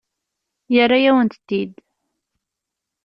Yerra-yawen-tent-id.